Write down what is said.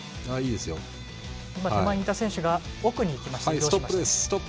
手前にいた選手が奥にいきました。